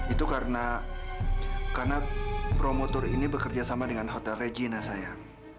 itu karena promo tour ini bekerja sama dengan hotel regina sayang